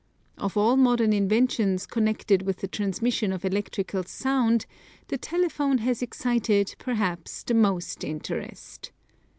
Of all modern inventions connected with the transmission of electrical sound the telephone has excited, perhaps, the most interest.